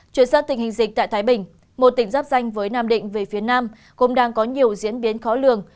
chuyển sang tình hình dịch tại thái bình một tỉnh giáp danh với nam định về phía nam cũng đang có nhiều diễn biến khó lường